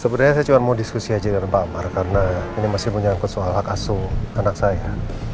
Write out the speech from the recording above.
sebenarnya saya cuma mau diskusi aja dengan pak amar karena ini masih menyangkut soal hak asuh anak saya